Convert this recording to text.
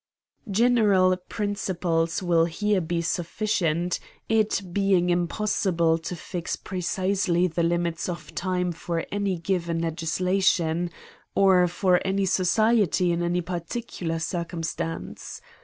General principles will here be sufficient, it be ing impossible to fix precisely the limits of time for any given legislation, or for any society in any particular circumstance.